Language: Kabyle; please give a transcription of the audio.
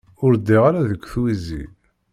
Ur ddiɣ ara deg twizi.